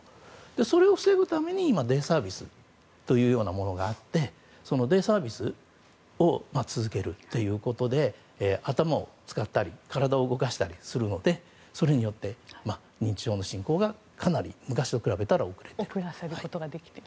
それを防ぐために今デイサービスというものがあってデイサービスを続けるということで頭を使ったり体を動かしたりするのでそれによって認知症の進行がかなり昔と比べて遅らせられると。